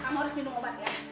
kamu harus minum obat ya